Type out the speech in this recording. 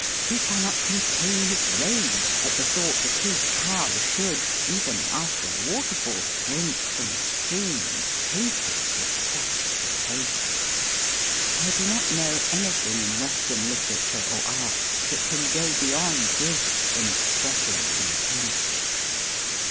He cannot contain his rage at the thought that his cow should, even after a waterfall, drink from a stream tainted with such a proposal. I do not know any thing in Western literature or art that can go beyond this in expressing contempt.